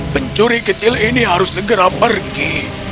pencuri kecil ini harus segera pergi